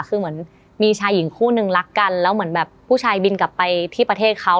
คือเหมือนมีชายหญิงคู่นึงรักกันแล้วเหมือนแบบผู้ชายบินกลับไปที่ประเทศเขา